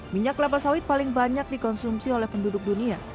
minyak kelapa sawit paling banyak dikonsumsi oleh penduduk dunia